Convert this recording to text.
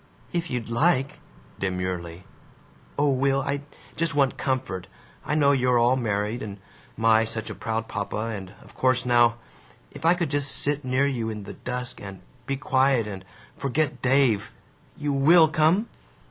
"If you'd like," demurely. "O Will, I just want comfort. I know you're all married, and my, such a proud papa, and of course now If I could just sit near you in the dusk, and be quiet, and forget Dave! You WILL come?"